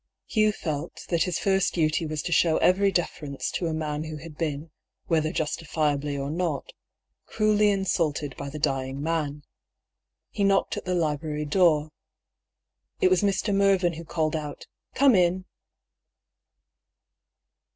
Hugh felt that his first duty was to show every deference to a man who had been, whether justifiably or not^ cruelly insulted by the dying man. He knocked at the library door. It was Mr. Mervyn who called out, " Come in."